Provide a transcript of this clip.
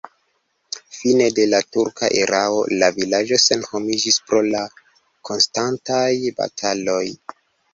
Fine de la turka erao la vilaĝo senhomiĝis pro la konstantaj bataloj.